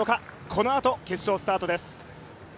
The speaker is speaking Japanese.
このあと、決勝スタートです。